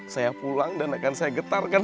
saya pulang dan akan saya getarkan